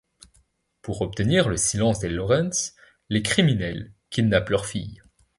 Pour obtenir le silence des Lawrence, les criminels kidnappent leur fille.